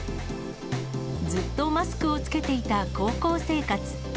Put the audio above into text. ずっとマスクを着けていた高校生活。